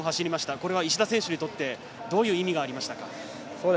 これは石田選手にとってどういう意味がありましたか。